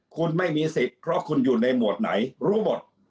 คุณไม่มีสิทธิ์เพราะคุณอยู่ในหมวดไหนรู้หมด